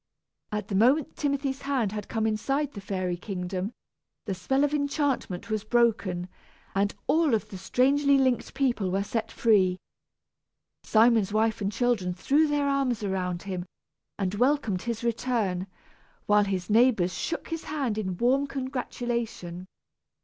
At the moment Timothy's hand had come inside the fairy kingdom, the spell of enchantment was broken, and all of the strangely linked people were set free. Simon's wife and children threw their arms around him, and welcomed his return, while his neighbors shook his hand in warm congratulation.